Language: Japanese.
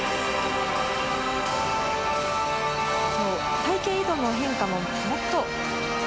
隊形移動の変化も、もっと。